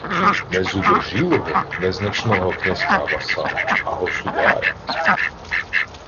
Не зубожілого, незначного князька-васала, а – государя!